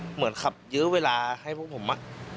เหมือนขับยื้อเวลาให้พวกผม